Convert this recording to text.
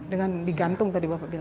dengan digantung tadi bapak bilang